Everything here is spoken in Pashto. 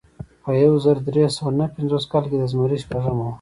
په یو زر درې سوه نهه پنځوس کال د زمري شپږمه وه.